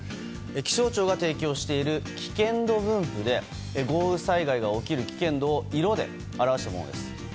気象庁が提供している危険度分布で豪雨災害が起きる危険度を色で表したものです。